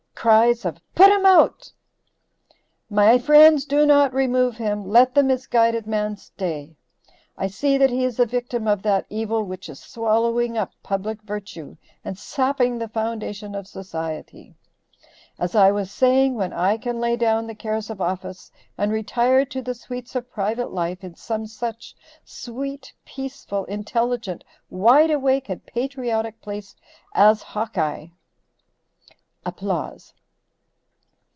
Cries of "put him out."] "My friends, do not remove him. Let the misguided man stay. I see that he is a victim of that evil which is swallowing up public virtue and sapping the foundation of society. As I was saying, when I can lay down the cares of office and retire to the sweets of private life in some such sweet, peaceful, intelligent, wide awake and patriotic place as Hawkeye.